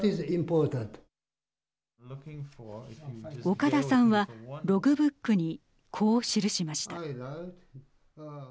岡田さんはログブックにこう記しました。